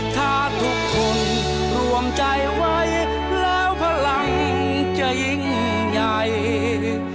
ถ้าทุกคนรวมใจไว้แล้วพลังจะยิ่งใหญ่